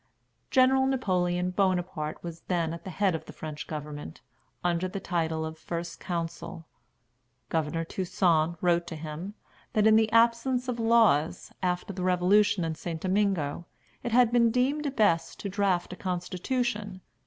General Napoleon Bonaparte was then at the head of the French government, under the title of First Consul. Governor Toussaint wrote to him, that, in the absence of laws, after the revolution in St. Domingo, it had been deemed best to draft a constitution.